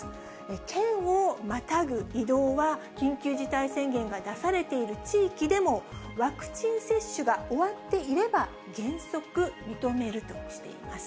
県をまたぐ移動は、緊急事態宣言が出されている地域でも、ワクチン接種が終わっていれば、原則認めるとしています。